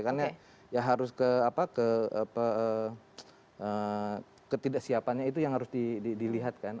karena ya harus ke apa ke ketidaksiapannya itu yang harus dilihat kan